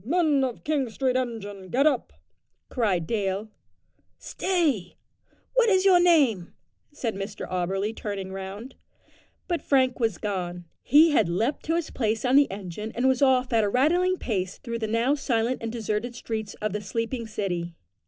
"Men of King Street engine get up," cried Dale. "Stay what is your name?" said Mr Auberly turning round. But Frank was gone. He had leaped to his place on the engine and was off at a rattling pace through the now silent and deserted streets of the sleeping city.